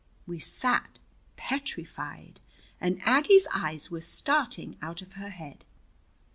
We sat petrified, and Aggie's eyes were starting out of her head.